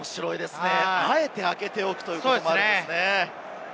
あえて空けておくということもあるんですね。